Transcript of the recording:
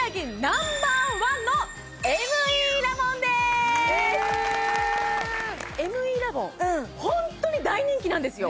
へえＭＥラボンホントに大人気なんですよ